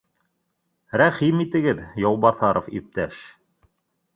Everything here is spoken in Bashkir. — Рәхим итегеҙ, Яубаҫаров иптәш